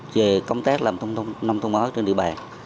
về công tác làm nông thôn mới trên địa bàn